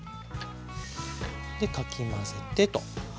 でかき混ぜてと。